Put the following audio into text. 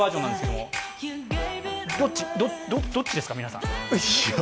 どっちですか、皆さん。